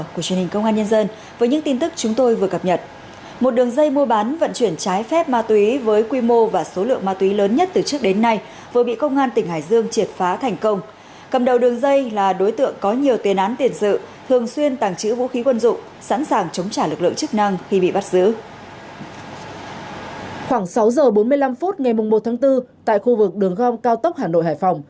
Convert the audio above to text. khoảng sáu giờ bốn mươi năm phút ngày một tháng bốn tại khu vực đường gom cao tốc hà nội hải phòng